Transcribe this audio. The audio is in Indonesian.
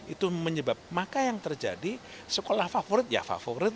itu menyebabkan maka yang terjadi sekolah favorit ya favorit